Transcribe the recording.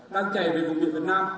đang chạy về vùng biển việt nam